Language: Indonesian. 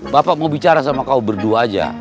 bapak mau bicara sama kau berdua aja